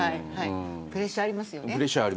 プレッシャーありますよね。